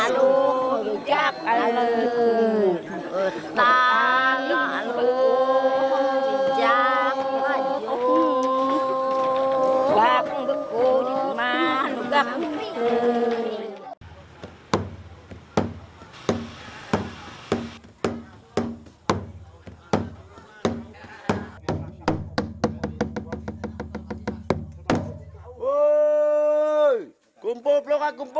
kumpul masyarakat kumpul